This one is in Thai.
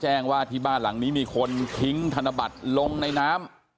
แจ้งว่าที่บ้านหลังนี้มีคนทิ้งธนบัตรลงในน้ำ